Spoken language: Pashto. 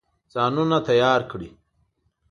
ځانونه تیار کړي.